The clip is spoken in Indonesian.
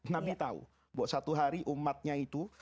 nabi tahu bahwa satu hari umatnya itu